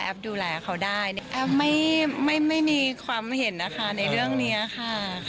ดูแลเขาได้แอฟไม่มีความเห็นนะคะในเรื่องนี้ค่ะ